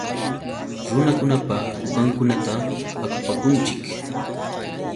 Runakunapa kukankunata akupakunchik.